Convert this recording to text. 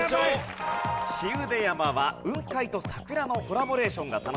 紫雲出山は雲海と桜のコラボレーションが楽しめ